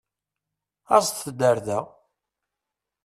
Aẓet-d ar da!